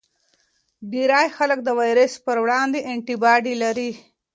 ډیری خلک د ویروس پر وړاندې انټي باډي لري.